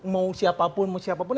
mau siapapun mau siapapun